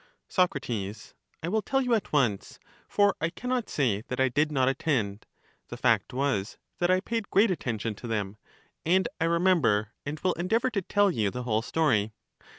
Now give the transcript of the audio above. Soc, I will tell you at once; for I can not say that I did not attend : the fact was that I paid great atten tion to them, and I remember and will endeavor to tell you the whole story.